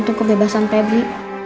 untuk kebebasan pebri